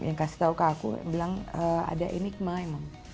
yang kasih tau ke aku bilang ada enigma emang